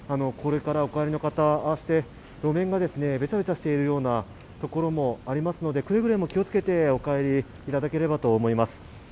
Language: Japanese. これからお帰りの方、路面がべちゃべちゃしている所もありますので、くれぐれも気をつけてお帰りいただければと思います。